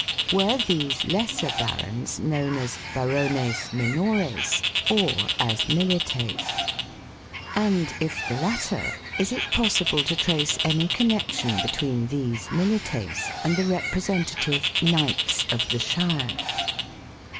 Were these lesser barons known as "Barones minores" or as "milites"? And, if the latter, is it possible to trace any connection between these "milites" and the representative " knights " of the shire